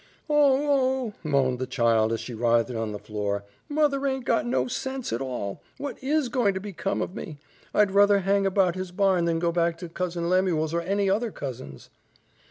"Oh! Oh!" moaned the child as she writhed on the floor, "mother aint got no sense at all. What IS goin' to become of me? I'd ruther hang about his barn than go back to Cousin Lemuel's or any other cousin's."